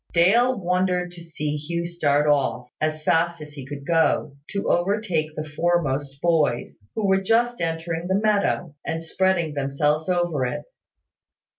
Dale wondered to see Hugh start off, as fast as he could go, to overtake the foremost boys, who were just entering the meadow, and spreading themselves over it.